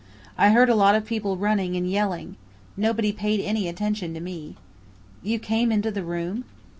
I heard a lot of people running and yelling. Nobody paid any attention to me." "You came into the room?"